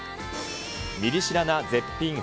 ミリ知らな絶品！